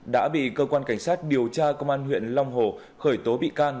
đã bị cơ quan cảnh sát điều tra công an huyện long hồ khởi tố bị can